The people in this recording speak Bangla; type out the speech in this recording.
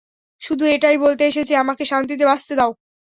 শুধু এটাই বলতে এসেছি আমাকে শান্তিতে বাঁচতে দাও।